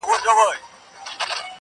د دربار له دروېشانو سره څه دي؟؛